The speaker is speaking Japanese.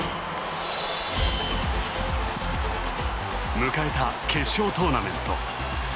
迎えた決勝トーナメント。